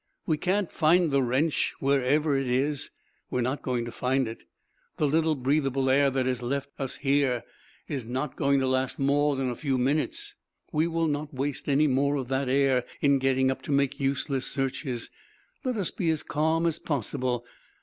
We can't find the wrench. Wherever it is, we are not going to find it. The little breathable air that is left us here is not going to last more than a few minutes. We will not waste any more of that air in getting up to make useless searches. Let us be as calm as possible.